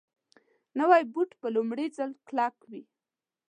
نوی بوټ په لومړي ځل کلک وي